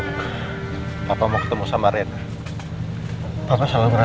kita hadapin nih sama sama ya